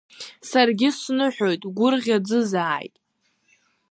Саргьы сныҳәоит, гәырӷьаӡызааит.